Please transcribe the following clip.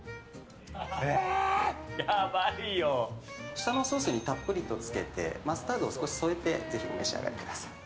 下のソースにたっぷりとつけてマスタードを少し添えて、ぜひぜひお召し上がりください。